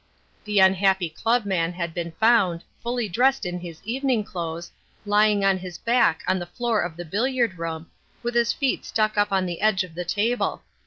The unhappy club man had been found, fully dressed in his evening clothes, lying on his back on the floor of the billiard room, with his feet stuck up on the edge of the table.